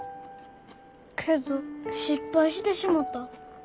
けど失敗してしもた。